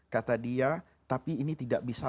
kata dia tapi ini tidak bisa